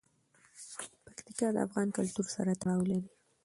پکتیکا د افغان کلتور سره تړاو لري.